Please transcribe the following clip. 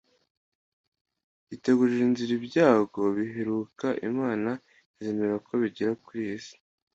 itegurira inzira ibyago biheruka Imana izemera ko bigera ku iyi si.